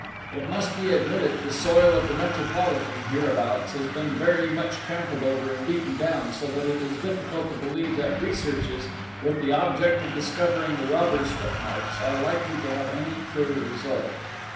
It must be admitted the soil of the Metropolitan, hereabouts, has been very much trampled over and beaten down so that it is difficult to believe that researches, with the object of discovering the robbers' footmarks, are likely to have any clear result.